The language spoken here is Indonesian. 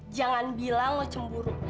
jangan bilang lo cemburu